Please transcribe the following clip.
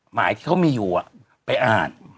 หมายที่เขามีอยู่ไปอ่าน